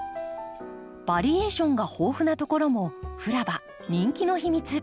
バリエーションが豊富なところもフラバ人気の秘密。